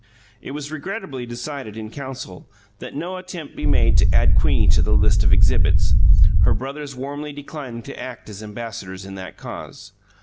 It was regretfully decided, in council, that no attempt be made to add Queenie to the list of exhibits, her brothers warmly declining to act as ambassadors in that cause.